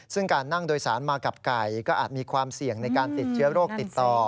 ซึ่งการนั่งโดยสารมากับไก่ก็อาจมีความเสี่ยงในการติดเชื้อโรคติดต่อ